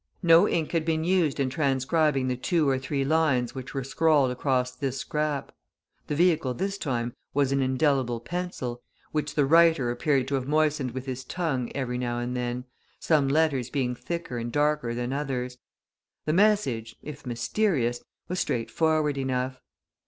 No ink had been used in transcribing the two or three lines which were scrawled across this scrap the vehicle this time was an indelible pencil, which the writer appeared to have moistened with his tongue every now and then, some letters being thicker and darker than others. The message, if mysterious, was straightforward enough.